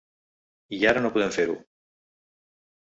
I ara no poden fer-ho.